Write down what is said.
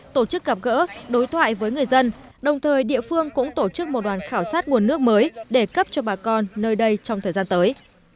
tổ chức gặp gỡ đối thoại với người dân đồng thời địa phương cũng tổ chức một đoàn khảo sát nguồn nước mới để cấp cho bà con nơi đây trong thời gian tới